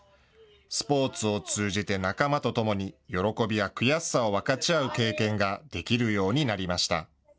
スポーツを通じて仲間とともに喜びや悔しさを分かち合う経験ができるようになりました。